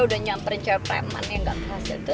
udah nyamperin cewek preman yang gak khas itu